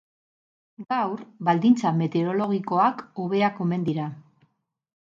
Gaur, baldintza meteorologikoak hobeak omen dira.